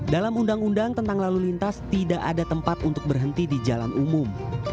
dalam undang undang tentang lalu lintas tidak ada tempat untuk berhenti di jalan umum